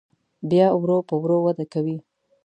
بیا ورو په ورو وده کوي.